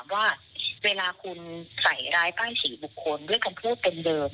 เวลาคุณใส่ร้ายป้ายศรีบุคคลด้วยคำพูดเป็นเดิม